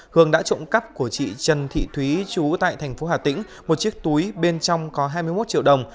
hường đã trộm cắt của chị trần thị thúy trú tại tp hà tĩnh một chiếc túi bên trong có hai mươi một triệu đồng